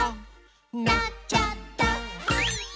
「なっちゃった！」